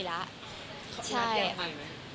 สำคัญแล้ว